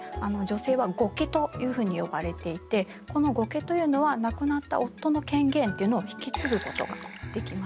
女性は後家というふうに呼ばれていてこの後家というのは亡くなった夫の権限というのを引き継ぐことができました。